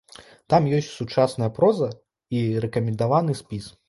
Там ёсць сучасная проза і рэкамендаваны спіс.